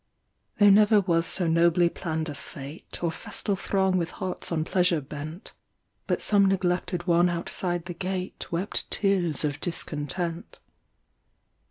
There never was so nobly planned a fête, Or festal throng with hearts on pleasure bent, But some neglected one outside the gate Wept tears of discontent.